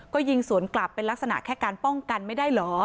ก็ยิงสวนกลับเป็นลักษณะแค่การป้องกันไม่ได้เหรอ